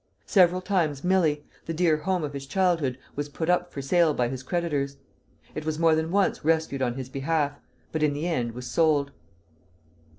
Several times Milly, the dear home of his childhood, was put up for sale by his creditors. It was more than once rescued on his behalf, but in the end was sold.